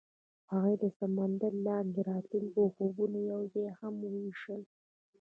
هغوی د سمندر لاندې د راتلونکي خوبونه یوځای هم وویشل.